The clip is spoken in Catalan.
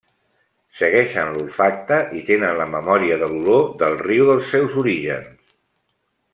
Segueixen l'olfacte i tenen la memòria de l'olor del riu dels seus orígens.